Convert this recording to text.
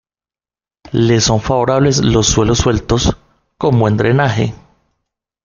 Le son favorable los suelos sueltos, con buen drenaje.